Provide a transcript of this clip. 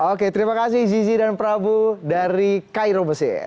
oke terima kasih zizi dan prabu dari cairo mesir